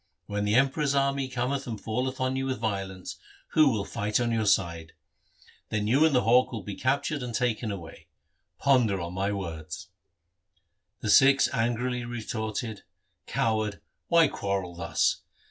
When the Emperor's army cometh and falleth on you with violence, who will fight on your side ? Then you and the hawk will be captured and taken away. Ponder on my words.' The Sikhs angrily retorted, ' Coward, why quarrel thus